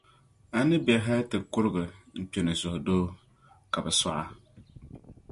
a ni be hal ti kurigi n-kpi ni suhudoo, ka bɛ sɔɣ’ a.